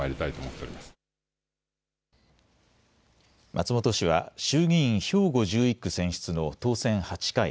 松本氏は衆議院兵庫１１区選出の当選８回。